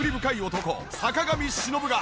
男坂上忍が。